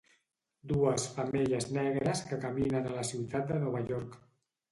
Dues femelles negres que caminen a la ciutat de Nova York.